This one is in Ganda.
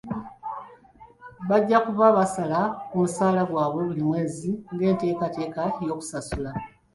Bajja kuba basala ku musaala gwabwe buli mwezi ng'enteekateeka y'okusasula.